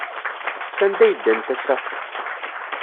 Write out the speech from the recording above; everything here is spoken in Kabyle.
Sanda ay ddant ass-a?